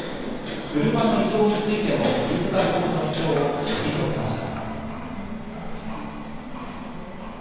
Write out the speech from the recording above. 車の異常についても飯塚被告の主張を退けました。